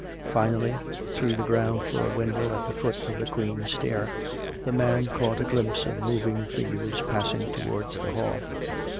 Finally, through the ground floor window at the foot of the Queen's stair, the man caught a glimpse of moving figures passing towards the hall.